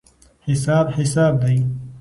حساب حساب دی.